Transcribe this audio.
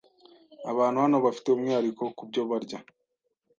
Abantu hano bafite umwihariko kubyo barya,